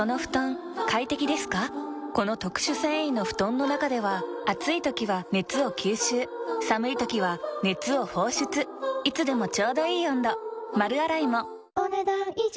この特殊繊維の布団の中では暑い時は熱を吸収寒い時は熱を放出いつでもちょうどいい温度丸洗いもお、ねだん以上。